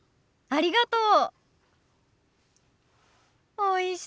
ありがとう。